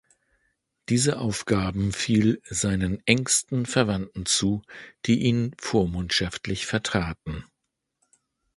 Diese Aufgaben fiel seinen engsten Verwandten zu, die ihn vormundschaftlich vertraten.